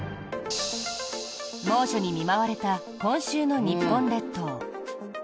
猛暑に見舞われた今週の日本列島。